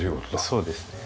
そうですね。